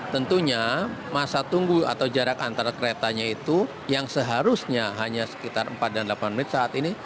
tentunya masa tunggu atau jarak antara keretanya itu yang seharusnya hanya sekitar empat dan delapan menit saat ini